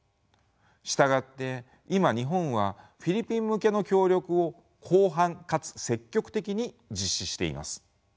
従って今日本はフィリピン向けの協力を広範かつ積極的に実施しています。